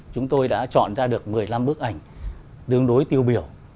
chúng tôi đã chọn ra được một mươi năm bức ảnh tương đối tiêu biểu